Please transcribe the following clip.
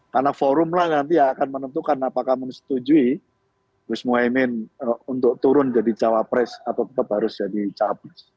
karena forum lah nanti akan menentukan apakah menetujui gus moaenin untuk turun jadi caopres atau tetap harus jadi capres